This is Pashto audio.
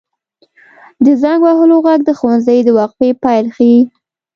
• د زنګ وهلو ږغ د ښوونځي د وقفې پیل ښيي.